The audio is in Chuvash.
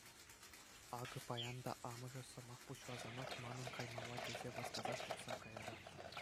Акӑ паян та амӑшӗ сӑмах пуҫласанах манӑн каймалла тесе васкасах тухса кайрӗ.